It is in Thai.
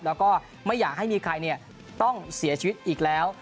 แล้วก็ไม่อยากให้มีใครต้องเสียชีวิตอีกแล้ว